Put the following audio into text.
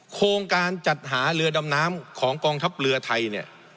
โครงการจัดหาเรือดำน้ำของกองทัพเรือไทยเนี่ย